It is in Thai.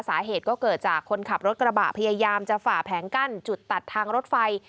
สาเหตุก็เกิดจากคนขับรถกระบะพยายามจะฝ่าแผงกั้นจุดตัดทางรถไฟ